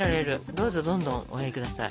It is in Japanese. どうぞどんどんおやり下さい。